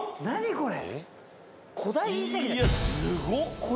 これ。